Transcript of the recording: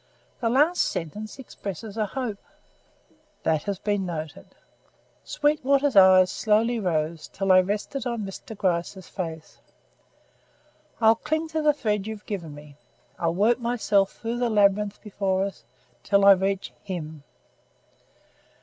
"The last sentence expresses a hope." "That has been noted." Sweetwater's eyes slowly rose till they rested on Mr. Gryce's face: "I'll cling to the thread you've given me. I'll work myself through the labyrinth before us till I reach HIM."